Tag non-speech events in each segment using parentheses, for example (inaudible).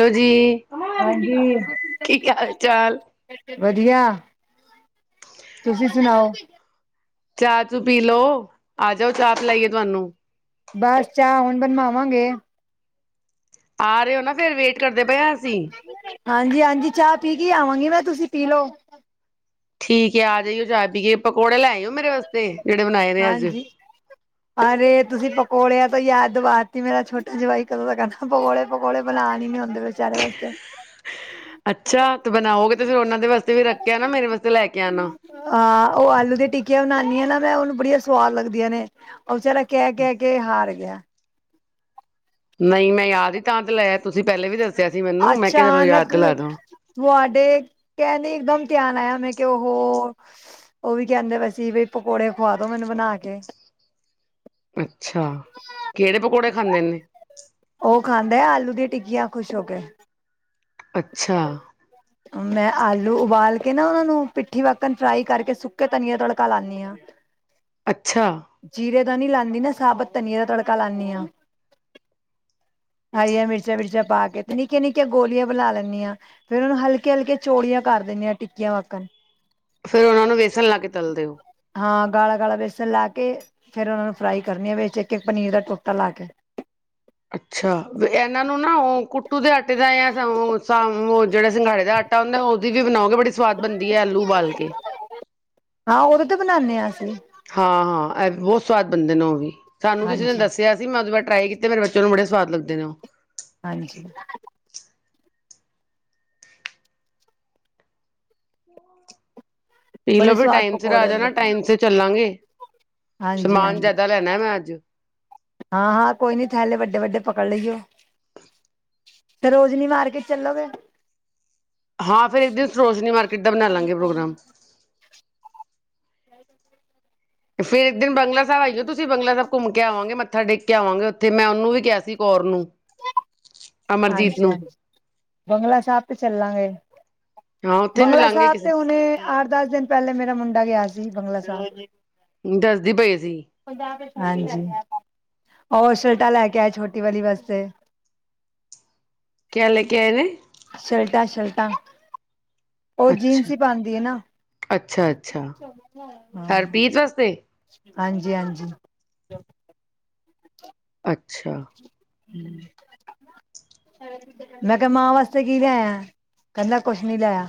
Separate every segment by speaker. Speaker 1: Hello ਜੀ,
Speaker 2: ਹਾਂਜੀ
Speaker 1: ਠੀਕ ਹਾਲ ਚਾਲ।
Speaker 2: ਵਧੀਆ, ਤੁਸੀਂ ਸੁਣਾਓ।
Speaker 1: ਚਾਹ-ਚੂ ਪੀ ਲੋ, ਆ ਜੋ ਚਾਹ ਪਿਲਾਈਏ ਤੁਹਾਨੂੰ।
Speaker 2: ਬਸ ਚਾਹ ਹੁਣ ਬਣਵਾਵਾਂਗੇ।
Speaker 1: ਆ ਰਹੇ ਹੋ ਨਾ ਫਿਰ ਵੇ
Speaker 2: ਹਾਂਜੀ-ਹਾਂਜੀ ਚਾਹ ਪੀ ਕੇ ਆਵਾਂਗੀ ਮੈਂ ਤੁਸੀਂ ਪੀ ਲੋ।
Speaker 1: ਠੀਕ ਏ ਆ ਜਾਈਓ ਚਾਹ ਪੀ ਕੇ ਪਕੌੜੇ ਲੈ ਆਇਓ ਮੇਰੇ ਵਾਸਤੇ, ਜਿਹੜੇ ਬਣਾਏ ਨੇ ਅੱਜ।
Speaker 2: ਹਾਂਜੀ ਅਰੇ ਤੁਸੀਂ ਪਕੌੜਿਆਂ ਤੋਂ ਯਾਦ ਦਵਾਤੀ ਮੇਰਾ ਛੋਟਾ ਜਵਾਈ ਕਦੋਂ ਦਾ ਕਹਿੰਦਾ ਪਕੌੜੇ ਪਕੌੜੇ ਬਣਾਨ ਹੀ ਨੀ ਹੁੰਦੇ ਬੇਚਾਰੇ ਵਾਸਤੇ।
Speaker 1: ਅੱਛਾ ਤੇ ਬਣਾਓਗੇ ਤੇ ਫੇਰ ਉਹਨਾਂ ਦੇ ਵਾਸਤੇ ਵੀ ਰੱਖ ਕੇ ਆਨਾ ਮੇਰੇ ਵਾਸਤੇ ਲੈ ਕੇ ਆਨਾ।
Speaker 2: ਹਾਂ ਉਹ ਆਲੂ ਦੀਆਂ ਟਿੱਕੀਆਂ ਬਨਾਨੀ ਆ ਨਾ ਮੈਂ ਉਹਨੂੰ ਬੜੀਆ ਸਵਾਦ ਲੱਗਦੀਆਂ ਨੇ। ਉਹ ਬੇਚਾਰਾ ਕਹਿ-ਕਹਿ ਕੇ ਹਾਰ ਗਿਆ।
Speaker 1: ਨਹੀਂ ਮੈਂ ਯਾਦ ਹੀ ਤਾਂ ਦਲਾਇਆ ਤੁਸੀਂ ਪਹਿਲੇ ਵੀ ਦੱਸਿਆ ਸੀ ਮੈਨੂੰ ਮੈਂ ਕਿਹਾ ਚਲੋ ਯਾਦ ਤੇ
Speaker 2: ਅਚਾਨਕ
Speaker 1: ਦਿਲਾ ਦੇਵਾਂ।
Speaker 2: ਤੁਹਾਡੇ, ਕਹਿੰਦੇ ਹੀ ਇੱਕ ਦਮ ਧਿਆਨ ਆਇਆ ਮੈਂ ਕਿ ਉਹ ਹੋ ਉਹ ਵੀ ਕਹਿੰਦੇ ਪਏ ਸੀ ਬਈ ਪਕੌੜੇ ਖਵਾ ਦੋ ਮੈਨੂੰ ਬਣਾ ਕੇ।
Speaker 1: ਅੱਛਾ ਕਿਹੜੇ ਪਕੌੜੇ ਖਾਂਦੇ ਨੇ?
Speaker 2: ਓ ਖਾਂਦਾ ਆਲੂ ਦੀਆਂ ਟਿੱਕੀਆਂ ਖੁਸ਼ ਹੋ ਕੇ।
Speaker 1: ਅੱਛਾ।
Speaker 2: ਮੈਂ ਆਲੂ ਉਬਾਲ ਕੇ ਨਾ ਓਨਾਂ ਨੂੰ ਪਿੱਠੀ ਵੱਕਣ ਫਰਾਈ ਕਰਕੇ ਸੁੱਕੇ ਧਨੀਆ ਤੜਕਾ ਲਾਣੀ ਆ।
Speaker 1: ਅੱਛਾ।
Speaker 2: ਜੀਰੇ ਦਾ ਨੀ ਲਾਂਦੀ ਨਾ ਸਾਬਤ ਧਨੀਏ ਦਾ ਤੜਕਾ ਲਾਣੀ ਆ।
Speaker 1: (inaudible)
Speaker 2: ਹਰੀਆਂ ਮਿਰਚਾ ਵਿਰਚਾਂ ਪਾ ਕੇ ਤੇ ਨਿੱਕੀਆਂ ਨਿੱੱਕੀਆਂ ਗੋਲੀਆਂ ਬਣਾ ਲੈਣੀ ਆ। ਫਿਰ ਉਹਨੂੰ ਹਲਕੇ ਹਲਕੇ ਚੋੜੀਆਂ ਕਰ ਦੀਨੀ ਆਂ ਟਿੱਕੀਆਂ ਪਕਣ
Speaker 1: ਫਿਰ ਓਨਾਂ ਨੂੰ ਵੇਸਣ ਲਾ ਕੇ ਤੱਲਦੇ ਓ।
Speaker 2: ਹਾਂ ਗਾੜਾ ਗਾੜਾ ਬੇਸਨ ਲਾ ਕੇ ਫਿਰ ਓਨਾਂ ਨੂੰ ਫਰਾਈ ਕਰਨੀ ਆ ਵਿੱਚ ਇੱਕ ਇੱਕ ਪਨੀਰ ਦਾ ਟੋਟਾ ਲਾ ਕੇ।
Speaker 1: ਅੱਛਾ, ਇਹਨਾਂ ਨੂੰ ਨਾ ਓ ਕੁੱਟੂ ਦੇ ਆਟੇ ਦਾ ਜਾਂ ਓ। ਜਿਹੜਾ ਸਿੰਘਾੜੇ ਦਾ ਆਟਾ ਹੁੰਦਾ ਓਦੀ ਵੀ ਬਣਾਓਗੇ ਬੜੀ ਸਵਾਦ ਬਣਦੀ ਐ ਆਲੂ ਉਬਾਲ ਕੇ।
Speaker 2: ਹਾਂ, ਓਦੇ ਤੇ ਬਣਾਨੇ ਆ ਅਸੀਂ।
Speaker 1: ਹਾਂ ਹਾਂ, ਏ ਵੀ ਬਹੁਤ ਸਵਾਦ ਬਣਦੇ ਨੇ ਓ ਵੀ ਸਾਨੂੰ ਕਿਸੇ ਨੇ
Speaker 2: ਹਾਂਜੀ
Speaker 1: ਦੱਸਿਆ। ਮੈਂ ਓਦੇ ਬਾਅਦ ਟਰਾਈ ਕੀਤੇ ਮੇਰੇ ਬੱਚੇ ਨੂੰ ਬੜੇ ਸਵਾਦ ਲੱਗਦੇ ਨੇ ਓ।
Speaker 2: ਹਾਂਜੀ। ਬੜੇ
Speaker 1: ਪੀਲੋ ਵੀ
Speaker 2: ਸਵਾਦ
Speaker 1: ਟਾਈਮ ਸਿਰ
Speaker 2: ਪਕੌੜੇ
Speaker 1: ਆ ਜਾਣਾ
Speaker 2: ਹੁੰਦੇ।
Speaker 1: ਟਾਈਮ ਸਿਰ ਚੱਲਾਂਗੇ।
Speaker 2: ਹਾਂਜੀ
Speaker 1: ਸਮਾਨ
Speaker 2: ਹਾਂਜੀ,
Speaker 1: ਜ਼ਿਆਦਾ ਲੈਣਾ ਮੈਂ ਅੱਜ
Speaker 2: ਹਾਂ ਹਾਂ ਕੋਈ ਨੀ ਥੈਲੇ ਵੱਡੇ ਵੱਡੇ ਪਕੜ ਲਈਓ। ਸਰੋਜ਼ਨੀ ਮਾਰਕੀਟ ਚੱਲੋਗੇ।
Speaker 1: ਹਾਂ ਫਿਰ ਇੱਕ ਦਿਨ ਸਰੋਜ਼ਨੀ ਮਾਰਕੀਟ ਦਾ ਬਣਾ ਲਾਂਗੇ ਪ੍ਰੋਗਰਾਮ।
Speaker 2: (inaudible)
Speaker 1: ਫੇਰ ਇੱਕ ਦਿਨ ਬਗਲਾ ਸਾਹਿਬ ਆਈਓ ਤੁਸੀਂ ਬਗਲਾ ਸਾਹਿਬ। ਘੁੰਮ ਕੇ ਆਵਾਂਗੇ ਮੱਥਾ ਟੇਕ ਕੇ ਆਵਾਂਗੇ ਉੱਥੇ ਮੈਂ ਓਨੂੰ ਵੀ ਕਿਆ ਸੀ ਕੌਰ ਨੂੰ। ਅਮਰਜੀਤ
Speaker 2: ਹਾਂਜੀ
Speaker 1: ਨੂੰ
Speaker 2: ਹਾਂਜੀ, ਬੰਗਲਾ ਸਾਬ ਤੇ ਚੱਲਾਂਗੇ।
Speaker 1: ਹਾਂ ਉੱਥੇ
Speaker 2: ਬੰਗਲਾ
Speaker 1: ਮਿਲਾਂਗੇ
Speaker 2: ਸਾਬ
Speaker 1: ਕਿਸ
Speaker 2: ਤੇ ਹੁਨ ਅੱਠ ਦਸ ਦਿਨ ਪਹਿਲੇ ਮੇਰਾ ਮੁੰਡਾ ਗਿਆ ਸੀ ਬੰਗਲਾ ਸਾਬ।
Speaker 1: ਦੱਸਦੀ ਪਈ ਸੀ।
Speaker 2: ਹਾਂਜੀ, ਓ ਸਲਟਾ ਲੈ ਕੇ ਆਏ ਛੋਟੀ ਵਾਲੀ ਵਾਸਤੇ।
Speaker 1: ਕਿਆ ਲੇ ਕੇ ਆਏ ਨੇ?
Speaker 2: ਸ਼ਲਟਾ ਸ਼ਲਟਾ। ਓ ਜੀਨਸ
Speaker 1: ਅੱਛਾ
Speaker 2: ਈ ਪਾਂਦੀ ਆ ਨਾ
Speaker 1: ਅੱਛਾ ਅੱਛਾ
Speaker 2: ਹਾਂ।
Speaker 1: ਹਰਪ੍ਰੀਤ ਵਾਸਤੇ
Speaker 2: ਹਾਂਜੀ ਹਾਂਜੀ। ਅੱਛਾ।
Speaker 1: ਅੱਛਾ।
Speaker 2: ਹੂੰ। ਮੈਂ ਕਿਆ ਮਾਂ ਵਾਸਤੇ ਕੀ ਲਿਆਇਆ, ਕਹਿੰਦਾ ਕੁਛ ਨੀ ਲਿਆਇਆ।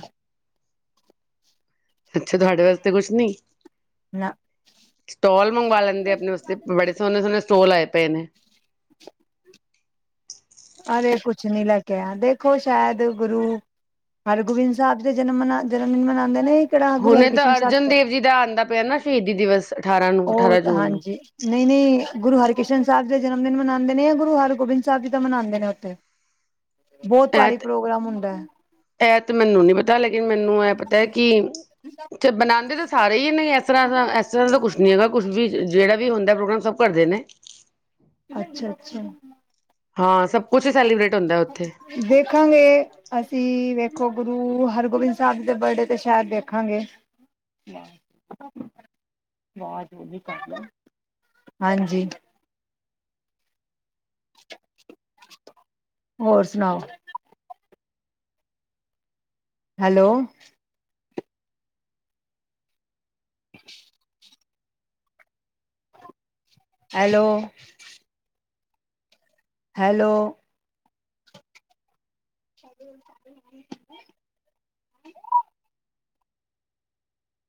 Speaker 1: ਅੱਛਾ, ਤੁਹਾਡੇ ਵਾਸਤੇ ਕੁਛ ਨੀ।
Speaker 2: ਨਾ
Speaker 1: ਸਟੋਲ ਮੰਗਵਾ ਲੈਂਦੇ ਆਪਣੇ ਵਾਸਤੇ ਬੜੇ ਸੋਹਣੇ ਸੋਹਣੇ ਸਟੋਲ ਆਏ ਪਏ ਨੇ।
Speaker 2: (inaudible) ਅਰੇ ਕੁਛ ਨੀ ਲੈ ਕੇ ਆਇਆ ਦੇਖੋ ਸ਼ੈਦ ਗੁਰੂ ਹਰਗੋਬਿੰਦ ਸਾਹਿਬ ਦੇ ਜਨਮ ਮਨਾ ਜਨਮ ਦਿਨ ਮਨਾਂਦੇ ਨੇ। ਕਿਹੜਾ ਗੁਰੂ
Speaker 1: ਹੁਨੇ ਤਾਂ
Speaker 2: ਹਰਕ੍ਰਿਸ਼ਨ ਸਾਹਿਬ
Speaker 1: ਅਰਜਨ ਦੇਵ ਜੀ ਦਾ ਆਂਦਾ ਪਿਆ ਨਾ ਸ਼ਹੀਦੀ ਦਿਵਸ ਅਠਾਰਾਂ ਨੂੰ ਅਠਾਰਾਂ ਜੂਨ ਨੂੰ।
Speaker 2: ਨਈ ਨਈ, ਗੁਰੂ ਹਰਿਕ੍ਰਿਸ਼ਨ ਸਾਬ ਜੀ ਦਾ ਜਨਮ ਦਿਨ ਮਨਾਂਦੇ ਨੇ ਜਾਂ ਗੁਰੂ ਹਰਗੋਬਿੰਦ ਸਾਹਿਬ ਜੀ ਦਾ ਮਨਾਂਦੇ ਨੇ ਉੱਥੇ। ਬਹੁਤ ਭਾਰੀ ਪ੍ਰੋਗਰਾਮ ਹੁੰਦਾ। ਹੈ
Speaker 1: ਐ ਤੇ ਮੈਨੂੰ ਨੀ ਪਤਾ ਲੇਕਿਨ ਮੈਨੂੰ ਐ ਪਤਾ ਕਿ ਬਣਾਂਦੇ ਤਾਂ ਸਾਰੇ ਹੀ ਨੇ ਇਸ ਤਰ੍ਹਾਂ ਦਾ ਇਸ ਤਰ੍ਹਾਂ ਦਾ ਕੁਛ ਨੀ ਹੈਗਾ ਕੁੱਛ ਵੀ ਜੇੜਾ ਵੀ ਹੁੰਦਾ ਪ੍ਰੋਗਰਾਮ ਸਭ ਕਰਦੇ ਨੇ।
Speaker 2: ਅੱਛਾ-ਅੱਛਾ
Speaker 1: ਹਾਂ ਸਭ ਕੁਛ ਸੈਲੀਬ੍ਰੇਟ ਹੁੰਦਾ ਉੱਥੇ
Speaker 2: ਦੇਖਾਂਗੇ। ਅਸੀਂ ਵੇਖੋ ਗੁਰੂ ਹਰਗੋਬਿੰਦ ਸਾਹਿਬ ਜੀ ਦੇ ਬਰਡੇ ਤੇ ਸ਼ਹਿਦ ਦੇੇਖਾਂਗੇ। ਹਾਂਜੀ ਹੋਰ ਸੁਣਾਓ। Hello (inaudible) hello hello (inaudible)